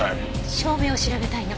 照明を調べたいの。